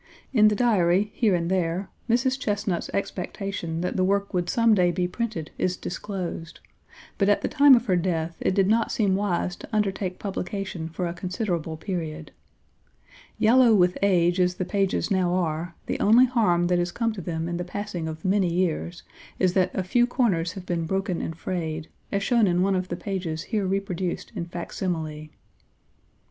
In the Diary, here and there, Mrs. Chesnut's expectation that the work would some day be printed is disclosed, but at the time of her death it did not seem wise to undertake publication for a considerable period. Yellow with age as the pages now are, the only harm that has come to them in the passing of many years, is that a few corners have been broken and frayed, as shown in one of the pages here reproduced in facsimile.